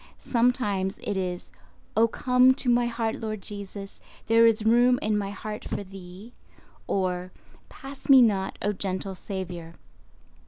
Sometimes it is, "Oh, come to my heart Lord Jesus; there is room in my heart for Thee"—or "Pass me not, O gentle Saviour."